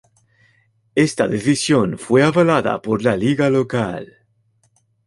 Esta decisión fue avalada por la liga local.